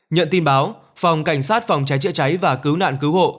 nhận tin báo phòng cảnh sát phòng cháy chữa cháy và cứu nạn cứu hộ